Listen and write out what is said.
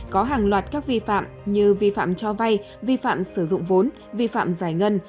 có hàng loạt các vi phạm như vi phạm cho vay vi phạm sử dụng vốn vi phạm giải ngân